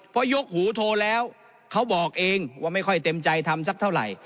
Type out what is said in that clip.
เพราะยกหูโทรแล้วเขาบอกเองว่าไม่ค่อยเต็มใจทำสักเท่าไหร่